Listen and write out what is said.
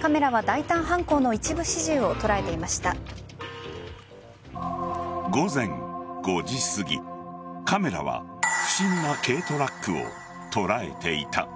カメラは大胆犯行の一部始終を午前５時すぎカメラは不審な軽トラックを捉えていた。